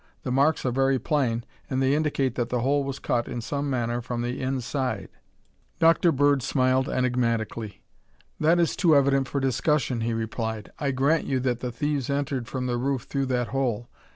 The marks are very plain and they indicate that the hole was cut in some manner from the inside." Dr. Bird smiled enigmatically. "That is too evident for discussion," he replied. "I grant you that the thieves entered from the roof through that hole.